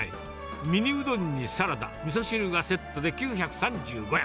ミニうどんにサラダ、みそ汁がセットで９３５円。